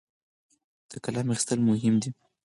د قلم اخیستل مهم دي.